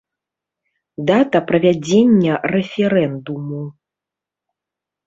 Дата правядзення рэферэндуму.